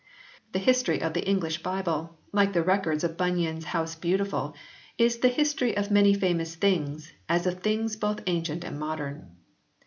The History of the English Bible, like the Records of Bunyan s House Beautiful, is "the history of many famous things, as of things both Ancient and Modern."